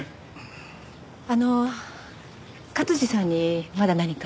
あの勝治さんにまだ何か？